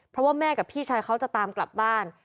เพราะว่าแม่กับพี่ชายเขาจะตามกลับบ้าน